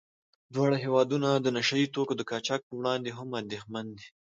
دواړه هېوادونه د نشه يي توکو د قاچاق په وړاندې هم اندېښمن دي.